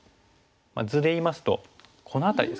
図で言いますとこの辺りですかね。